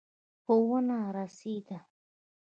خو ونه رسېد.